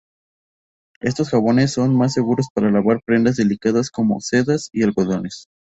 Estos jabones son más seguros para lavar prendas delicadas como, sedas y algodones.